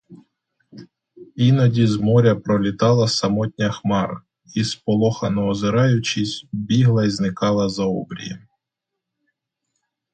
Іноді з моря пролітала самотня хмара і, сполохано озираючись, бігла й зникала за обрієм.